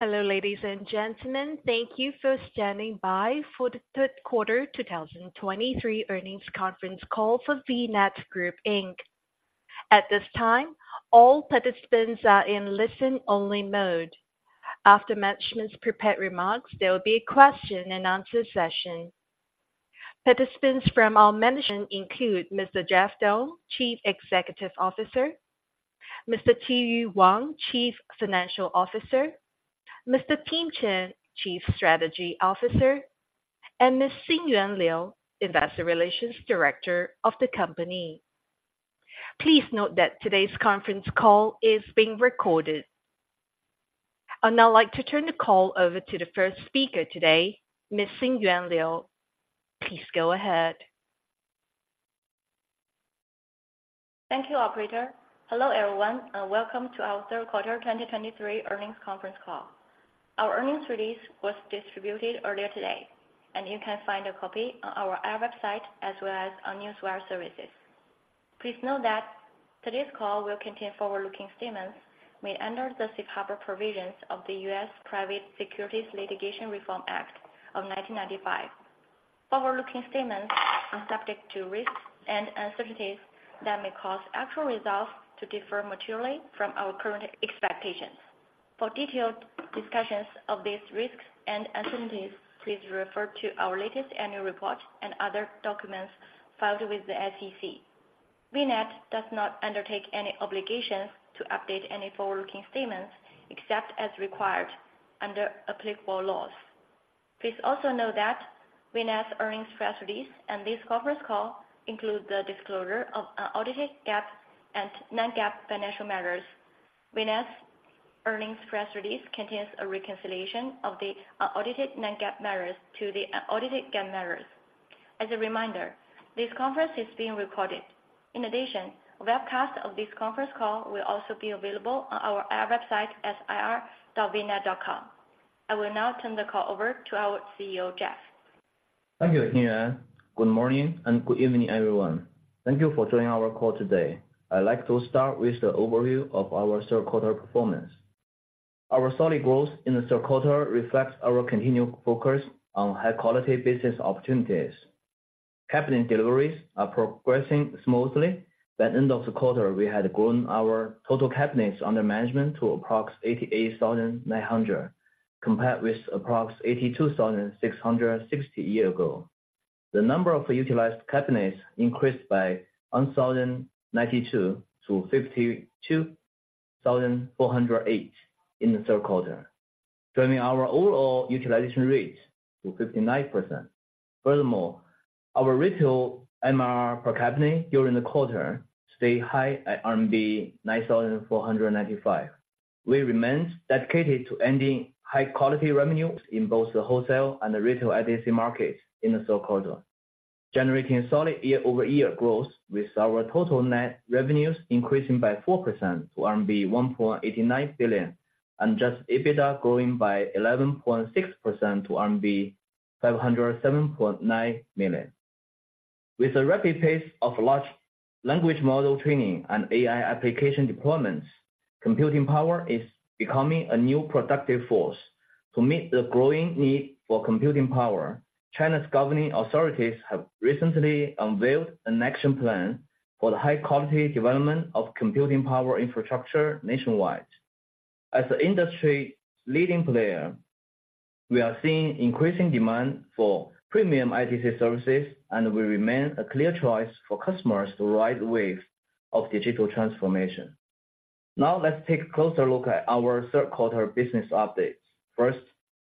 Hello, ladies and gentlemen. Thank you for standing by for the Q3 2023 earnings conference call for VNET Group Inc. At this time, all participants are in listen-only mode. After management's prepared remarks, there will be a question and answer session. Participants from our management include Mr. Jeff Dong, Chief Executive Officer, Mr. Qiyu Wang, Chief Financial Officer, Mr. Tim Chen, Chief Strategy Officer, and Ms. Xinyuan Liu, Investor Relations Director of the company. Please note that today's conference call is being recorded. I'd now like to turn the call over to the first speaker today, Ms. Xinyuan Liu. Please go ahead. Thank you, operator. Hello, everyone, and welcome to our Q3 2023 earnings conference call. Our earnings release was distributed earlier today, and you can find a copy on our IR website as well as on newswire services. Please note that today's call will contain forward-looking statements made under the safe harbor provisions of the U.S. Private Securities Litigation Reform Act of 1995. Forward-looking statements are subject to risks and uncertainties that may cause actual results to differ materially from our current expectations. For detailed discussions of these risks and uncertainties, please refer to our latest annual report and other documents filed with the SEC. VNET does not undertake any obligations to update any forward-looking statements, except as required under applicable laws. Please also note that VNET's earnings press release and this conference call include the disclosure of audited GAAP and non-GAAP financial measures. VNET's earnings press release contains a reconciliation of the audited non-GAAP measures to the audited GAAP measures. As a reminder, this conference is being recorded. In addition, a webcast of this conference call will also be available on our IR website at ir.vnet.com. I will now turn the call over to our CEO, Jeff. Thank you, Xinyuan. Good morning and good evening, everyone. Thank you for joining our call today. I'd like to start with the overview of our Q3 performance. Our solid growth in the Q3 reflects our continued focus on high-quality business opportunities. Cabinet deliveries are progressing smoothly. By end of the quarter, we had grown our total cabinets under management to approx 88,900, compared with approx 82,660 a year ago. The number of utilized cabinets increased by 1,092 to 52,408 in the Q3, driving our overall utilization rate to 59%. Furthermore, our retail MRR per cabinet during the quarter stayed high at RMB 9,495. We remained dedicated to ending high-quality revenues in both the wholesale and the retail IDC markets in the Q3, generating solid quarter-over-quarter growth with our total net revenues increasing by 4% to RMB 1.89 billion and adjusted EBITDA growing by 11.6% to RMB 507.9 million. With the rapid pace of large language model training and AI application deployments, computing power is becoming a new productive force. To meet the growing need for computing power, China's governing authorities have recently unveiled an action plan for the high-quality development of computing power infrastructure nationwide. As an industry-leading player, we are seeing increasing demand for premium IDC services, and we remain a clear choice for customers to ride the wave of digital transformation. Now, let's take a closer look at our Q3 business updates. First,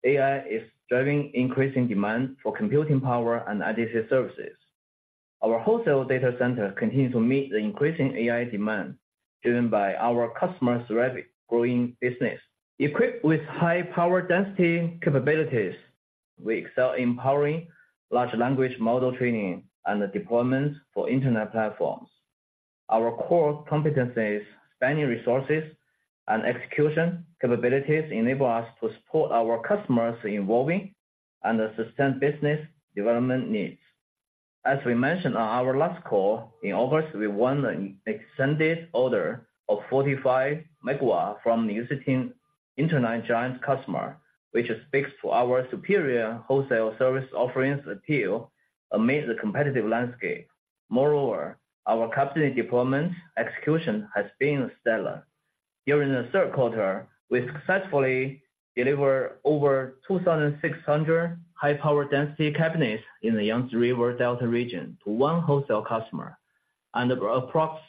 AI is driving increasing demand for computing power and IDC services. Our wholesale data center continues to meet the increasing AI demand, driven by our customers' rapid growing business. Equipped with high power density capabilities, we excel in powering Large Language Model training and the deployments for internet platforms. Our core competencies, spanning resources, and execution capabilities enable us to support our customers evolving and sustain business development needs. As we mentioned on our last call, in August, we won an extended order of 45 MW from the existing internet giant customer, which speaks to our superior wholesale service offerings appeal amid the competitive landscape. Moreover, our cabinet deployment execution has been stellar. During the Q3, we successfully delivered over 2,600 high power density cabinets in the Yangtze River Delta region to one wholesale customer and approximately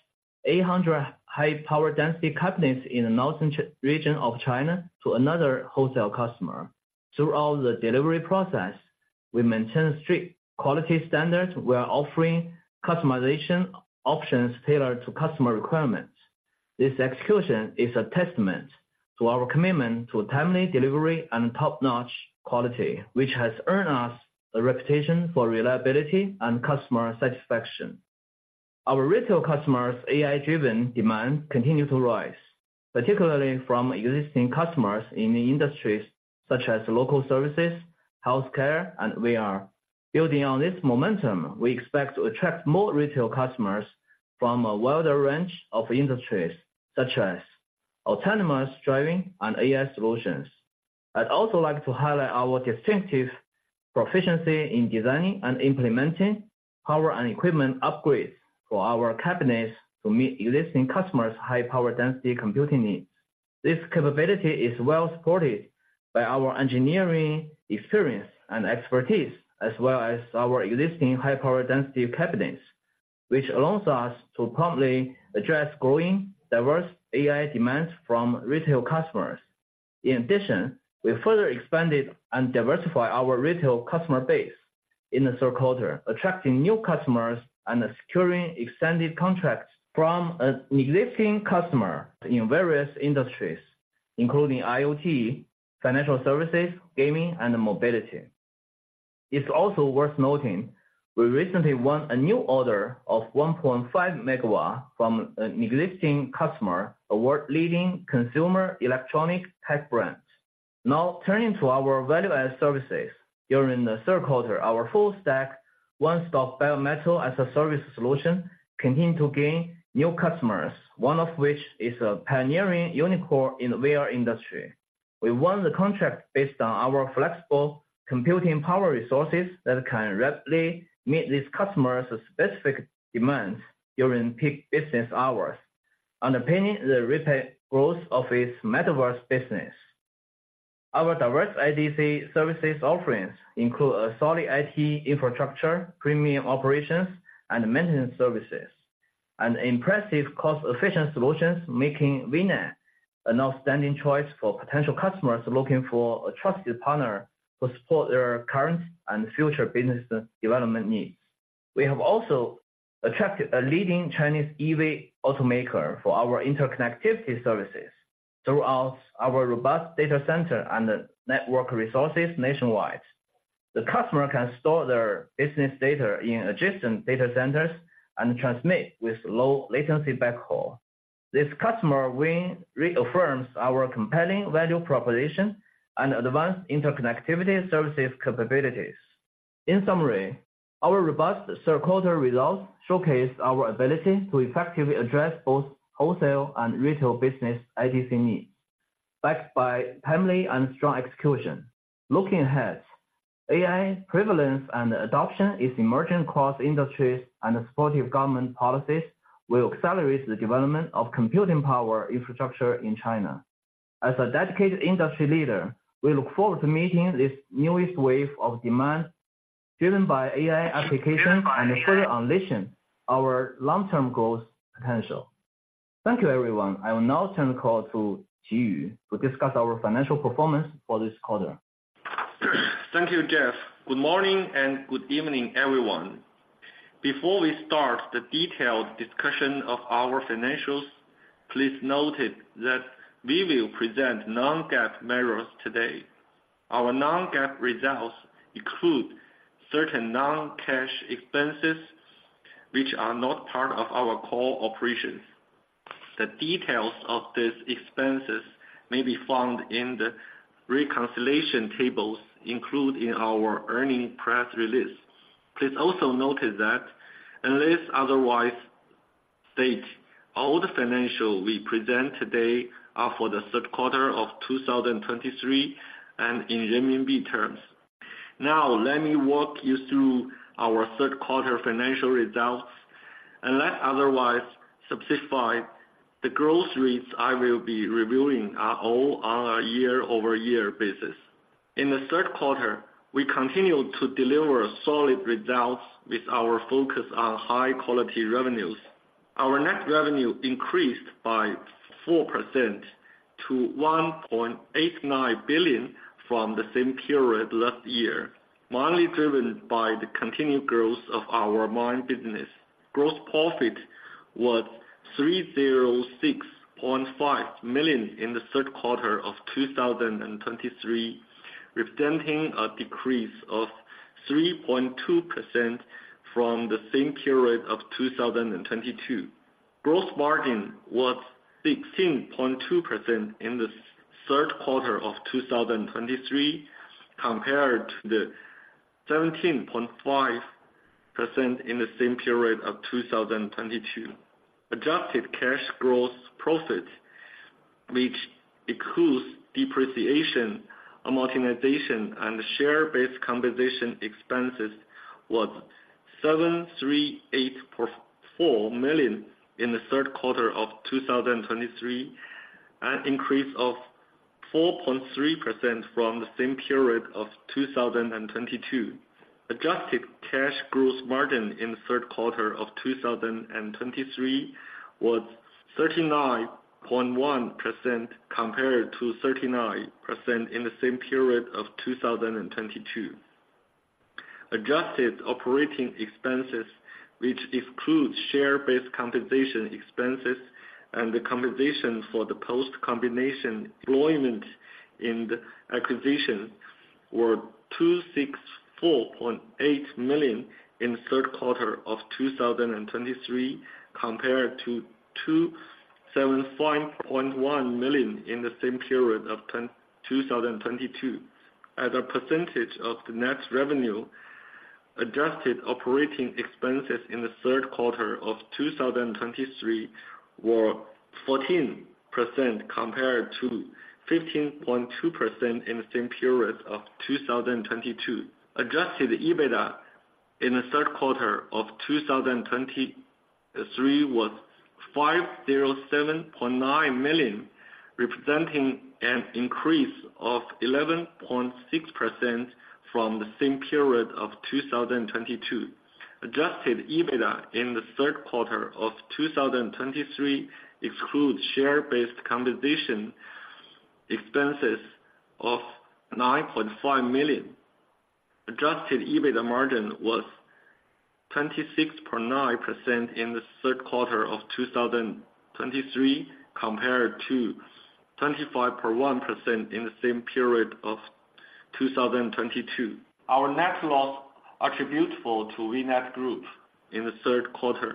800 high power density cabinets in the northern China region of China to another wholesale customer. Throughout the delivery process, we maintain strict quality standards while offering customization options tailored to customer requirements. This execution is a testament to our commitment to timely delivery and top-notch quality, which has earned us a reputation for reliability and customer satisfaction. Our retail customers' AI-driven demand continue to rise, particularly from existing customers in industries such as local services, healthcare, and we are building on this momentum. We expect to attract more retail customers from a wider range of industries, such as autonomous driving and AI solutions. I'd also like to highlight our distinctive proficiency in designing and implementing power and equipment upgrades for our cabinets to meet existing customers' high power density computing needs. This capability is well supported by our engineering experience and expertise, as well as our existing high power density cabinets, which allows us to promptly address growing diverse AI demands from retail customers. In addition, we further expanded and diversify our retail customer base in the Q3, attracting new customers and securing extended contracts from an existing customer in various industries, including IoT, financial services, gaming, and mobility. It's also worth noting, we recently won a new order of 1.5 MW from an existing customer, a world-leading consumer electronic tech brand. Now turning to our value-added services. During the Q3, our full-stack, one-stop Bare Metal as a Service solution continued to gain new customers, one of which is a pioneering unicorn in the VR industry. We won the contract based on our flexible computing power resources that can rapidly meet this customer's specific demands during peak business hours, underpinning the rapid growth of its metaverse business. Our diverse IDC services offerings include a solid IT infrastructure, premium operations, and maintenance services, and impressive cost-efficient solutions, making VNET an outstanding choice for potential customers looking for a trusted partner to support their current and future business development needs. We have also attracted a leading Chinese EV automaker for our interconnectivity services. Throughout our robust data center and network resources nationwide, the customer can store their business data in adjacent data centers and transmit with low latency backhaul. This customer win reaffirms our compelling value proposition and advanced interconnectivity services capabilities. In summary, our robust Q3 results showcase our ability to effectively address both wholesale and retail business IDC needs, backed by timely and strong execution. Looking ahead, AI prevalence and adoption is emerging across industries, and the supportive government policies will accelerate the development of computing power infrastructure in China. As a dedicated industry leader, we look forward to meeting this newest wave of demand driven by AI applications and further unleashing our long-term growth potential. Thank you, everyone. I will now turn the call to Qiyu to discuss our financial performance for this quarter. Thank you, Jeff. Good morning and good evening, everyone. Before we start the detailed discussion of our financials, please note it that we will present non-GAAP measures today. Our non-GAAP results include certain non-cash expenses, which are not part of our core operations. The details of these expenses may be found in the reconciliation tables included in our earnings press release. Please also notice that unless otherwise stated, all the financials we present today are for the Q3 of 2023 and in renminbi terms. Now, let me walk you through our Q3 financial results. Unless otherwise specified, the growth rates I will be reviewing are all on a quarter-over-quarter basis. In the Q3, we continued to deliver solid results with our focus on high-quality revenues. Our net revenue increased by 4% to 1.89 billion from the same period last year, mainly driven by the continued growth of our main business. Gross profit was 306.5 million in the Q3 of 2023, representing a decrease of 3.2% from the same period of 2022. Gross margin was 16.2% in the Q3 of 2023, compared to the 17.5% in the same period of 2022. Adjusted cash gross profit, which includes depreciation, amortization, and share-based compensation expenses, was 738.4 million in the Q3 of 2023, an increase of 4.3% from the same period of 2022. Adjusted cash gross margin in the Q3 of 2023 was 39.1%, compared to 39% in the same period of 2022. Adjusted operating expenses, which excludes share-based compensation expenses and the compensation for the post-combination employment in the acquisition, were 264.8 million in the Q3 of 2023, compared to 27.1 million in the same period of 2022. As a percentage of the net revenue, adjusted operating expenses in the Q3 of 2023 were 14% compared to 15.2% in the same period of 2022. Adjusted EBITDA in the Q3 of 2023 was 507.9 million, representing an increase of 11.6% from the same period of 2022. Adjusted EBITDA in the Q3 of 2023 excludes share-based compensation expenses of 9.5 million. Adjusted EBITDA margin was 26.9% in the Q3 of 2023, compared to 25.1% in the same period of 2022. Our net loss attributable to VNET Group in the Q3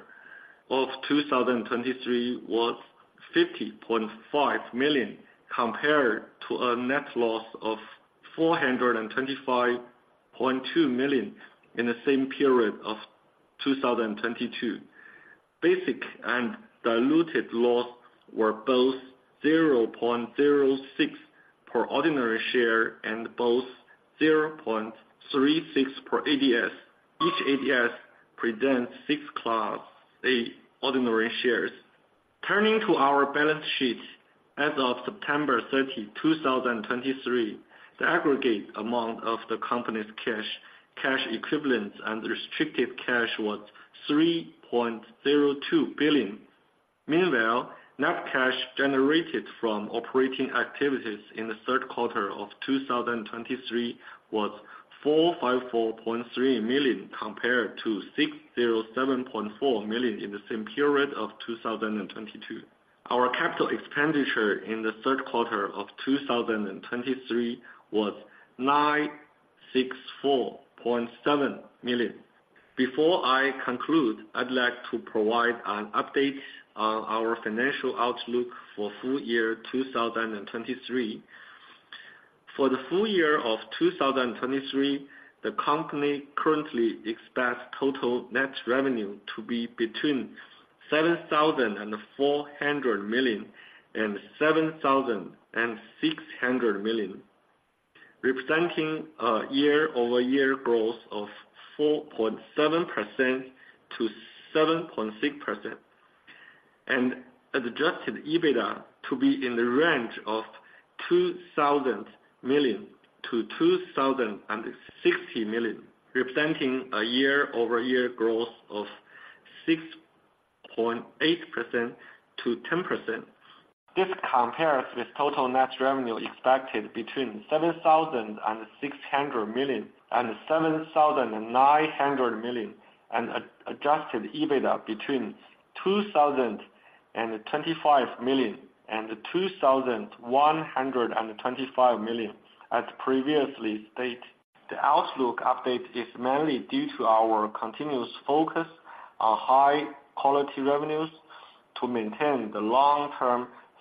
of 2023 was 50.5 million, compared to a net loss of 425.2 million in the same period of 2022. Basic and diluted loss were both 0.06 per ordinary share and both 0.36 per ADS. Each ADS presents 6 Class A ordinary shares. Turning to our balance sheet, as of September 30, 2023, the aggregate amount of the company's cash, cash equivalents and restricted cash was 3.02 billion. Meanwhile, net cash generated from operating activities in the Q3 of 2023 was 454.3 million, compared to 607.4 million in the same period of 2022. Our capital expenditure in the Q3 of 2023 was 964.7 million. Before I conclude, I'd like to provide an update on our financial outlook for full year 2023. For the full year of 2023, the company currently expects total net revenue to be between 7,400 million and 7,600 million, representing a quarter-over-quarter growth of 4.7% to 7.6%. Adjusted EBITDA to be in the range of 2,000 million to 2,060 million, representing a quarter-over-quarter growth of 6.8% to 10%. This compares with total net revenue expected between 7,600 million and 7,900 million, and adjusted EBITDA between 2,025 million and 2,125 million. As previously stated, the outlook update is mainly due to our continuous focus on high-quality revenues to maintain the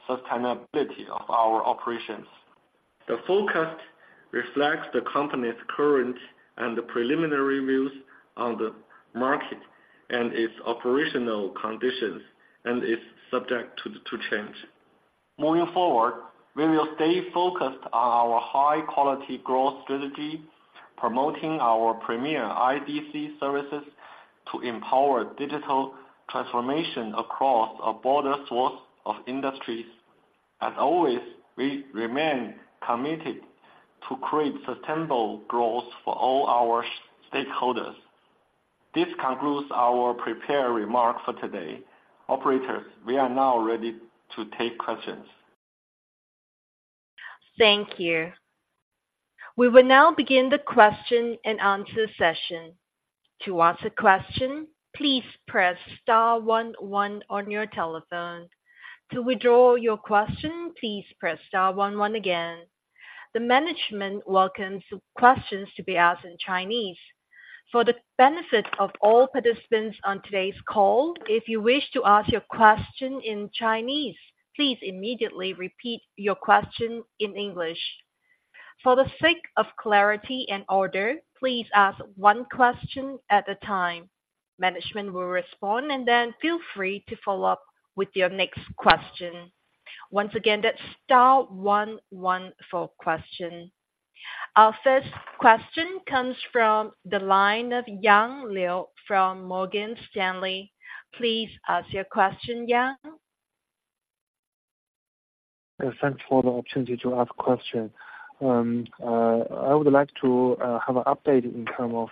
long-term sustainability of our operations. The forecast reflects the company's current and preliminary views on the market and its operational conditions and is subject to change. Moving forward, we will stay focused on our high-quality growth strategy, promoting our premier IDC services to empower digital transformation across a broader source of industries. As always, we remain committed to create sustainable growth for all our stakeholders. This concludes our prepared remarks for today. Operators, we are now ready to take questions. Thank you. We will now begin the question and answer session. To ask a question, please press star one one on your telephone. To withdraw your question, please press star one one again. The management welcomes questions to be asked in Chinese. For the benefit of all participants on today's call, if you wish to ask your question in Chinese, please immediately repeat your question in English. For the sake of clarity and order, please ask one question at a time. Management will respond and then feel free to follow up with your next question. Once again, that's star one one for questions. Our first question comes from the line of Yang Liu from Morgan Stanley. Please ask your question, Yang. Thanks for the opportunity to ask question. I would like to have an update in terms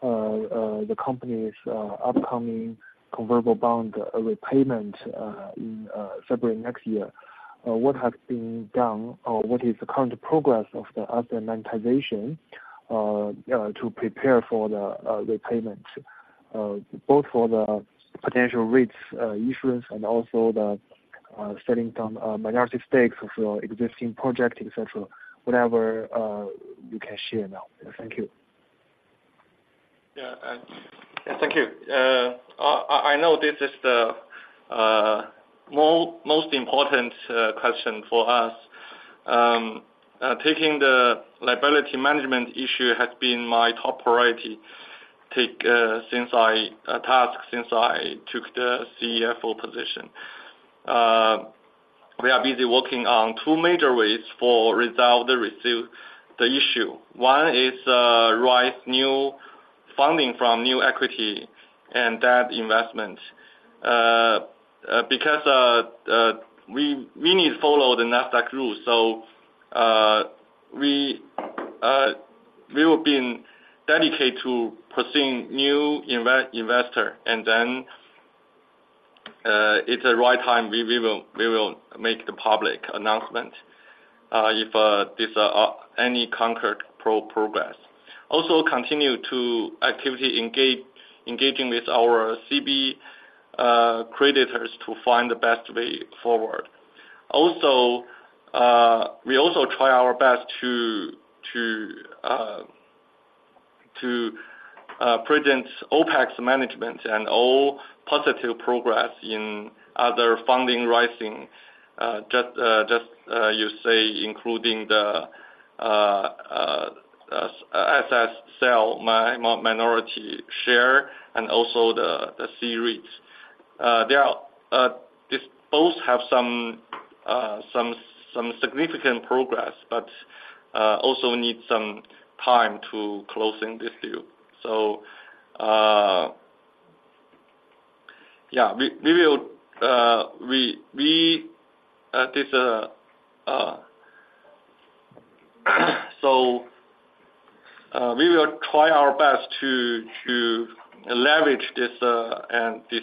of the company's upcoming convertible bond repayment in February next year. What has been done or what is the current progress of the other monetization to prepare for the repayment? Both for the potential REITs issuance and also the selling some minority stakes of your existing project, et cetera, whatever you can share now. Thank you. Yeah, and thank you. I know this is the most important question for us. Taking the liability management issue has been my top priority since I took the CFO position. We are busy working on two major ways to resolve the issue. One is to raise new funding from new equity and debt investment. Because we need to follow the NASDAQ rules, so we will be dedicated to pursuing new investor, and then, it's the right time, we will make the public announcement if any concrete progress. Also continue to actively engage with our CB creditors to find the best way forward. Also, we also try our best to present OpEx management and all positive progress in other fundraising, just as you say, including the asset sale, minority share and also the C-REIT. There are these both have some significant progress, but also need some time to closing this deal. So, yeah, we will try our best to leverage this and this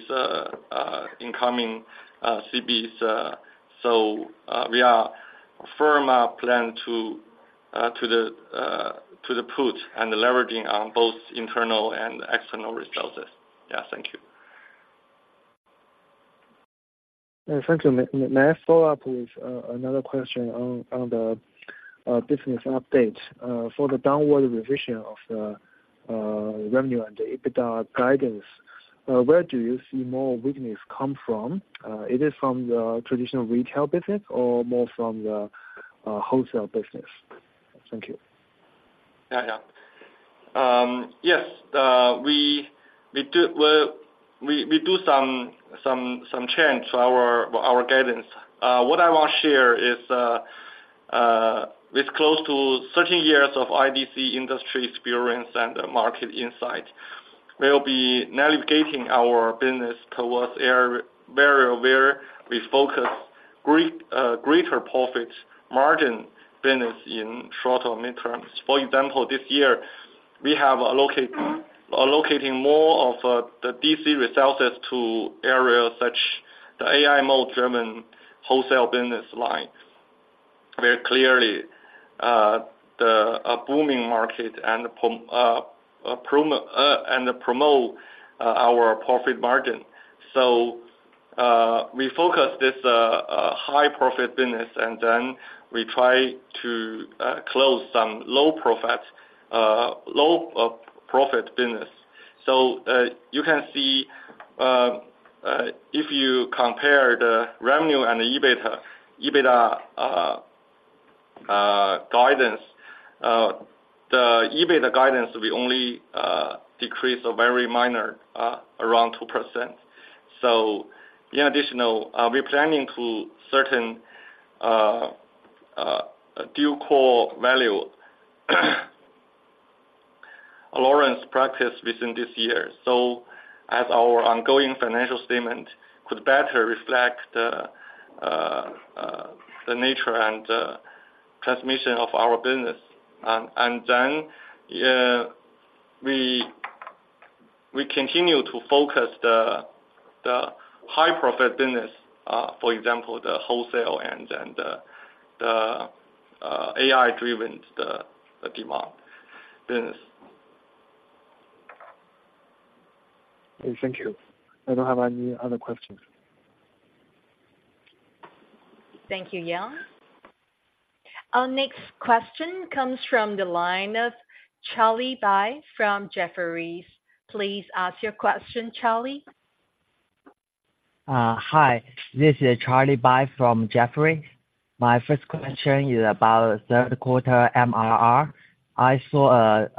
incoming CBs, so we are firm plan to the put and leveraging on both internal and external resources. Yeah, thank you. Thank you. May I follow up with another question on the business update? For the downward revision of the revenue and the EBITDA guidance, where do you see more weakness come from? It is from the traditional retail business or more from the wholesale business? Thank you. Yeah, yeah. Yes, we do, well, we do some change to our guidance. What I want to share is, with close to 13 years of IBC industry experience and market insight, we'll be navigating our business towards area- very aware with focus, great, greater profit margin business in short or midterms. For example, this year, we are allocating more of the DC resources to areas such the AI model-driven wholesale business lines. Very clearly, the, a booming market and promote our profit margin. So, we focus this high profit business, and then we try to close some low profit business. So, you can see if you compare the revenue and the EBITDA guidance, the EBITDA guidance, we only decrease a very minor around 2%. So in addition, we're planning to adopt fair value allowance practice within this year. So as our ongoing financial statement could better reflect the nature and condition of our business. And then, we continue to focus the high profit business, for example, the wholesale and then the AI-driven demand business. Thank you. I don't have any other questions. Thank you, Yang. Our next question comes from the line of Charlie Bai from Jefferies. Please ask your question, Charlie. Hi, this is Charlie Bai from Jefferies. My first question is about Q3 MRR. I saw a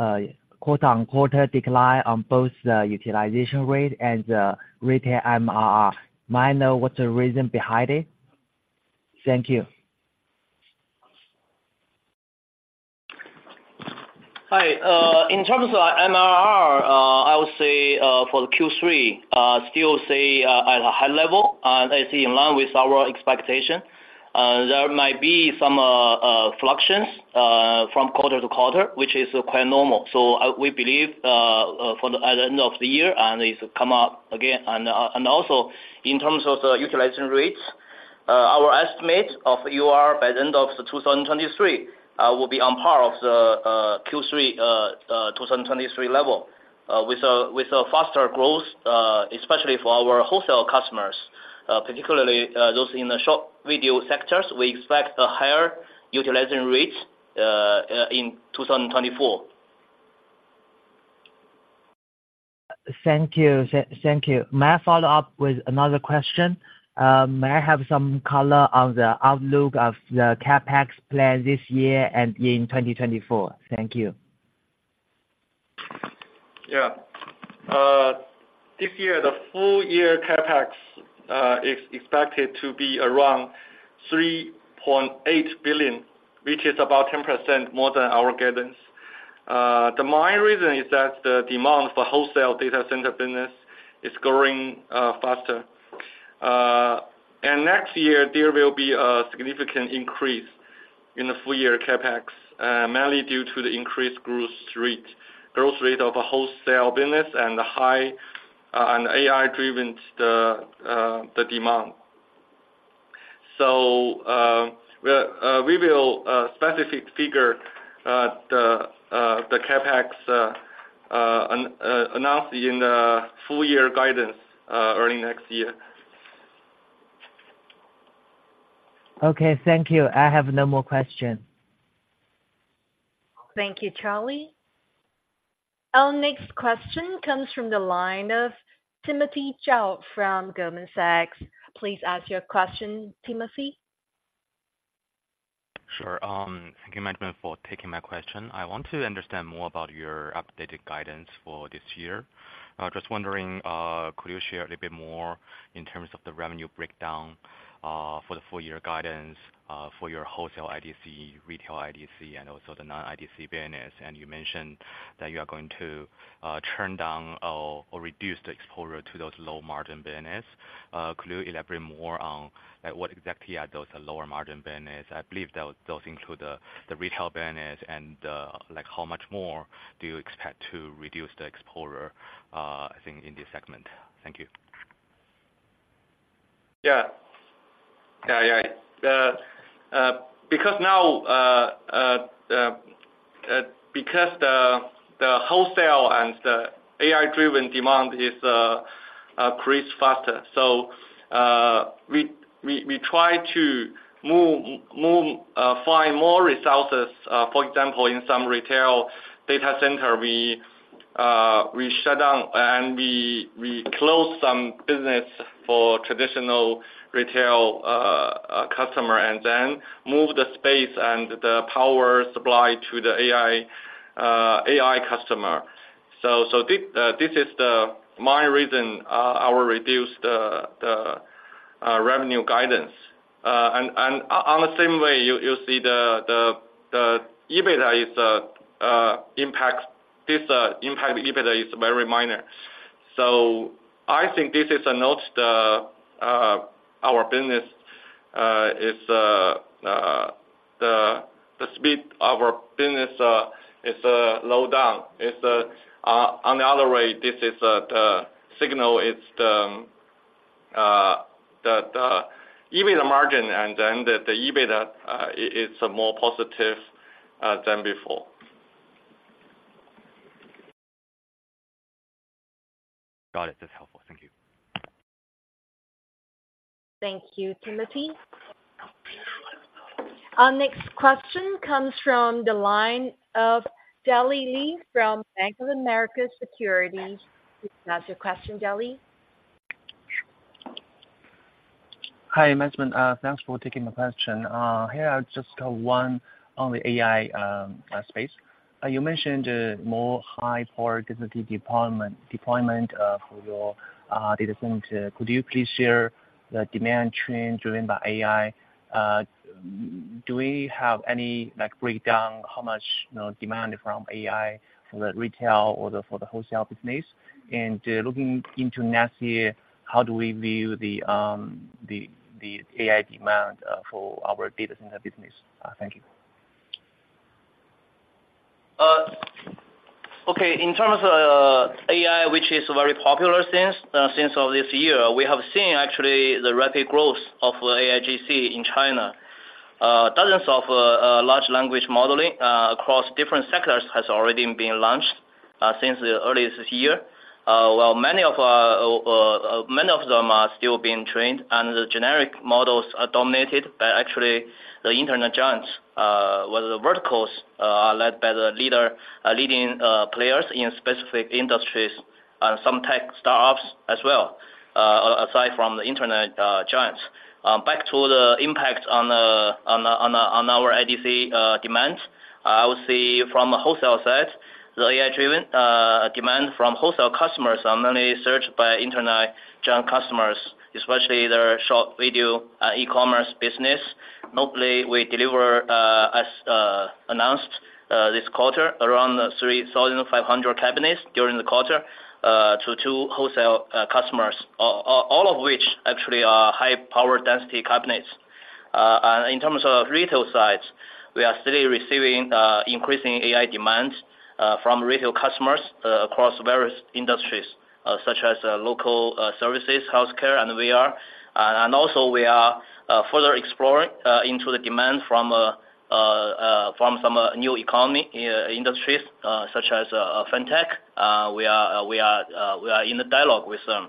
quarter-over-quarter decline on both the utilization rate and the retail MRR. Might I know what's the reason behind it? Thank you. Hi. In terms of MRR, I would say for the Q3 still say at a high level, and I see in line with our expectation. There might be some fluctuations from quarter to quarter, which is quite normal. So we believe for the at the end of the year, and it's come up again. And also, in terms of the utilization rates, our estimate of UR by the end of 2023 will be on par of the Q3 2023 level, with a faster growth, especially for our wholesale customers. Particularly, those in the short video sectors, we expect a higher utilization rate in 2024. Thank you. Thank you. May I follow up with another question? May I have some color on the outlook of the CapEx plan this year and in 2024? Thank you. Yeah. This year, the full year CapEx is expected to be around 3.8 billion, which is about 10% more than our guidance. The main reason is that the demand for wholesale data center business is growing faster. Next year, there will be a significant increase in the full year CapEx, mainly due to the increased growth rate, growth rate of a wholesale business and the high, and AI-driven the, the demand. So, we will specific figure the CapEx announce in the full year guidance early next year. Okay, thank you. I have no more questions. Thank you, Charlie. Our next question comes from the line of Timothy Zhao from Goldman Sachs. Please ask your question, Timothy. Sure. Thank you, management, for taking my question. I want to understand more about your updated guidance for this year. Just wondering, could you share a little bit more in terms of the revenue breakdown for the full year guidance for your wholesale IDC, retail IDC, and also the non-IDC business? And you mentioned that you are going to turn down or reduce the exposure to those low-margin business. Could you elaborate more on, like, what exactly are those lower-margin business? I believe that those include the retail business and, like, how much more do you expect to reduce the exposure, I think, in this segment? Thank you. Yeah. Yeah, yeah. Because now, because the wholesale and the AI-driven demand is creates faster. So, we try to move find more resources. For example, in some retail data center, we shut down and we close some business for traditional retail customer, and then move the space and the power supply to the AI AI customer. So, this is the my reason our reduced the revenue guidance. And on the same way, you see the EBITDA is impacts this impact EBITDA is very minor. So I think this is a not the our business is the speed of our business is low down. It's on the other way. This is the signal is the EBITDA margin, and then the EBITDA is more positive than before. Got it. That's helpful. Thank you. Thank you, Timothy. Our next question comes from the line of Deli Li from Bank of America Securities. Please ask your question, Deli. Hi, management. Thanks for taking my question. Here I just have one on the AI space. You mentioned more high power density deployment for your data center. Could you please share the demand trend driven by AI? Do we have any, like, breakdown, how much, you know, demand from AI for the retail or the wholesale business? And, looking into next year, how do we view the AI demand for our data center business? Thank you. Okay. In terms of AI, which is very popular since this year, we have seen actually the rapid growth of AIGC in China. Dozens of large language modeling across different sectors has already been launched since the early this year. While many of them are still being trained, and the generic models are dominated by actually the internet giants, while the verticals are led by the leading players in specific industries and some tech startups as well, aside from the internet giants. Back to the impact on our IDC demands. I would say from a wholesale side, the AI-driven demand from wholesale customers are mainly searched by internet giant customers, especially their short video e-commerce business. Notably, we deliver, as announced, this quarter, around 3,500 cabinets during the quarter to two wholesale customers, all of which actually are high power density cabinets. And in terms of retail sides, we are still receiving increasing AI demands from retail customers across various industries such as local services, healthcare, and VR. And also we are further exploring into the demand from some new economy industries such as Fintech. We are in the dialogue with them.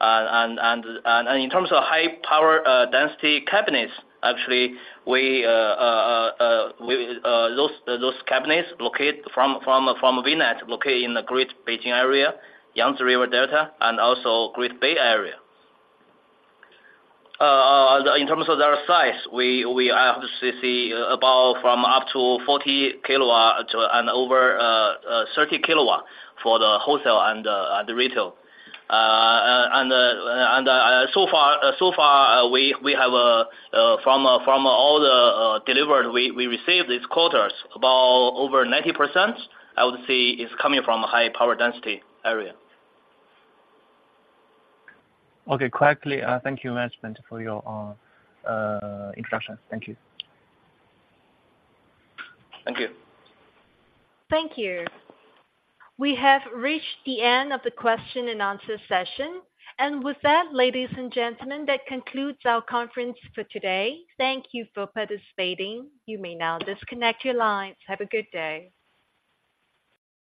And in terms of high power density cabinets, actually, those cabinets locate from VNET, locate in the Greater Beijing Area, Yangtze River Delta, and also Great Bay Area. In terms of their size, we are obviously see about from up to 40 kW to and over 30 kW for the wholesale and the retail. And so far, we have from all the delivered, we received these quarters, about over 90%, I would say, is coming from a high power density area. Okay, correctly. Thank you, management, for your introductions. Thank you. Thank you. Thank you. We have reached the end of the question and answer session. With that, ladies and gentlemen, that concludes our conference for today. Thank you for participating. You may now disconnect your lines. Have a good day.